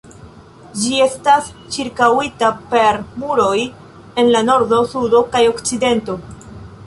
Ĝi estas ĉirkaŭita per muroj en la nordo, sudo kaj okcidento.